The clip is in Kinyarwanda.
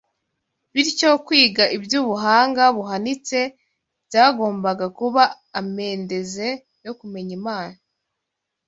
Bityo, kwiga iby’ubuhanga buhanitse byagombaga kuba amendeze yo kumenya Imana